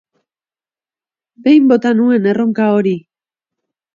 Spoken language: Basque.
Behin bota nuen erronka hori.